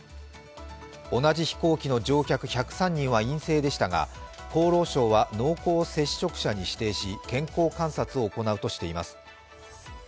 同じ飛行機の乗客１０３人は陰性でしたが、厚労省は濃厚接触者に指定し健康観察を行うとしています。